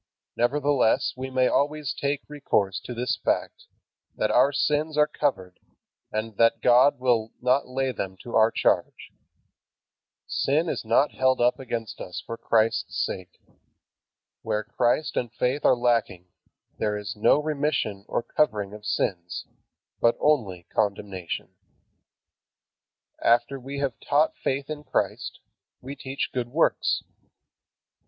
Nevertheless we may always take recourse to this fact, "that our sins are covered," and that "God will not lay them to our charge." Sin is not held against us for Christ's sake. Where Christ and faith are lacking, there is no remission or covering of sins, but only condemnation. After we have taught faith in Christ, we teach good works.